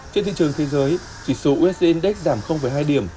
trên thị trường thế giới chỉ số usd index giảm hai điểm